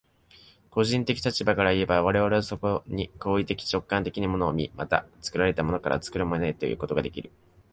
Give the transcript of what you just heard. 個人的立場からいえば、我々はそこに行為的直観的に物を見、また作られたものから作るものへということができる。